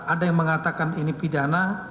ada yang mengatakan ini pidana